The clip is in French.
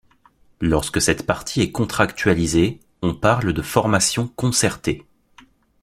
Lorsque cette partie est contractualisée, on parle de formation concertée.